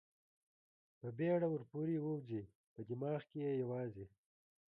په بېړه ور پورې ووځي، په دماغ کې یې یوازې.